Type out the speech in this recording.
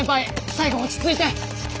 最後落ち着いて！